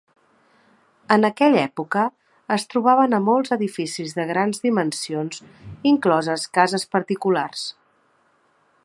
En aquella època, es trobaven a molts edificis de grans dimensions, incloses cases particulars.